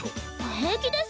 平気です。